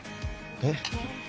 えっ？